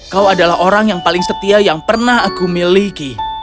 kau adalah orang yang paling setia yang pernah aku miliki